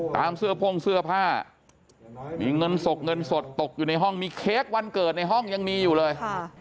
เสื้อพ่งเสื้อผ้ามีเงินสดเงินสดตกอยู่ในห้องมีเค้กวันเกิดในห้องยังมีอยู่เลย